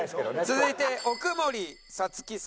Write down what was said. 続いて奥森皐月さん。